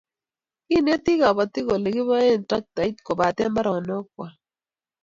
Kineti kabatik ole kibaihe traktait kebate mbaronik kwai